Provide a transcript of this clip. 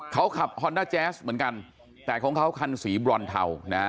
เขาขับฮอนด้าแจ๊สเหมือนกันแต่ของเขาคันสีบรอนเทานะฮะ